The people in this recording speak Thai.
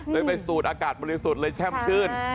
อ๋อเลยไปสูดอากาศบริสุทธิ์เลยแช่มขึ้น